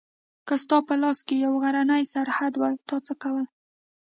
که ستا په لاس کې یو غرنی سرحد وای تا څه کول؟